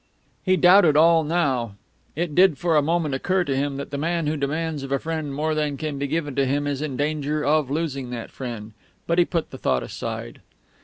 He doubted all now.... It did for a moment occur to him that the man who demands of a friend more than can be given to him is in danger of losing that friend, but he put the thought aside.